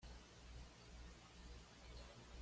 Es recibido calurosamente por la Unión de Artistas de Pekín.